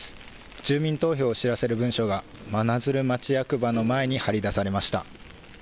住民投票を知らせる文書が真鶴町役場の前に張り出されました。